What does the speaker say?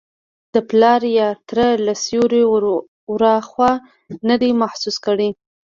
د پلار یا تره له سیوري وراخوا نه دی محسوس کړی.